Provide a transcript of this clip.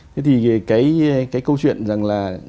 thế thì cái câu chuyện rằng là